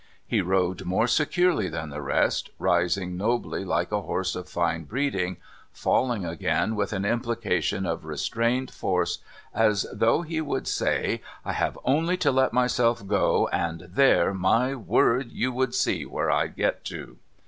He rode more securely than the rest, rising nobly like a horse of fine breeding, falling again with an implication of restrained force as though he would say: "I have only to let myself go and there, my word, you would see where I'd get to."